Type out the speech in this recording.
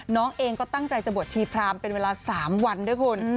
น้องเองก็ตั้งใจจะบวชชีพรามเป็นเวลา๓วันด้วยคุณ